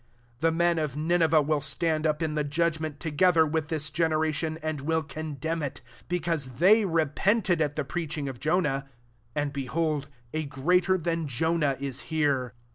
41 The men of Ni neveh will stand up in the judg ment together with this gene ration, and will condemn it : be cause they repented at ttie preaching of Jonah ; and, bc nold a greater than Jonali r* here.